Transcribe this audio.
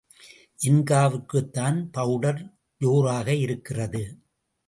ஜின்காவிற்குத்தான் powder ஜோராக இருக்கிறது.